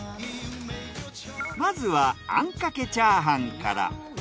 まずはあんかけチャーハンから。